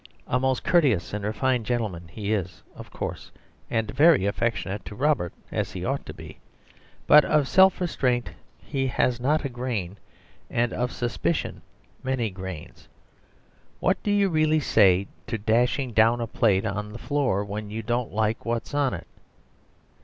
A most courteous and refined gentleman he is, of course, and very affectionate to Robert (as he ought to be), but of self restraint he has not a grain, and of suspicion many grains. What do you really say to dashing down a plate on the floor when you don't like what's on it?